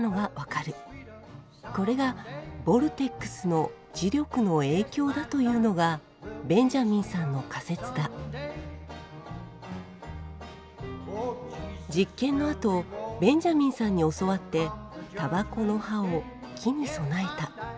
これがボルテックスの磁力の影響だというのがベンジャミンさんの仮説だ実験のあとベンジャミンさんに教わってタバコの葉を木に供えた。